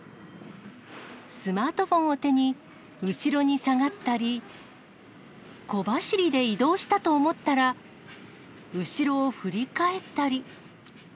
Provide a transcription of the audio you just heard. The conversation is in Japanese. スマートフォンを手に、後ろに下がったり、小走りで移動したと思ったら、後ろを振り返ったり。